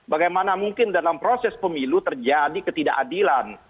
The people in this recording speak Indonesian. bagaimana mungkin dalam proses pemilu terjadi ketidakadilan